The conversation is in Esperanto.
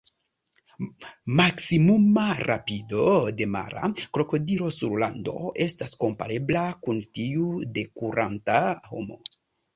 Maksimuma rapido de mara krokodilo sur lando estas komparebla kun tiu de kuranta homo.